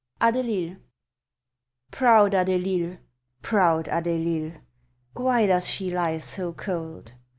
ADELIL Proud Adelil! Proud Adelil! Why does she lie so cold?